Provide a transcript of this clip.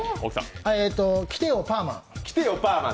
「来てよパーマン」。